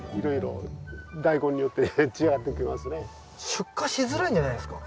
出荷しづらいんじゃないですか？